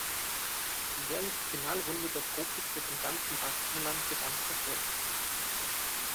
Die jährliche Finalrunde der Profis wird im ganzen Baskenland gebannt verfolgt.